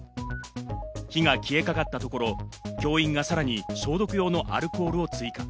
火が消えかかったところ、教員がさらに消毒用のアルコールを追加。